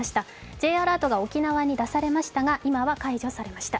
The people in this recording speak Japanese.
Ｊアラートが沖縄に出されましたが今は解除されました。